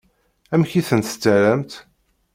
Amek i tent-terramt?